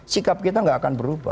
sikap kita tidak akan berubah